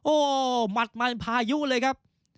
โอ้โหหมัดมันพายุเลยครับ